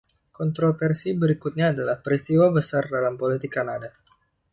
Kontroversi berikutnya adalah peristiwa besar dalam politik Kanada.